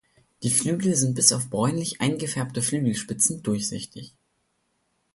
Die Flügel sind bis auf bräunlich eingefärbte Flügelspitzen durchsichtig.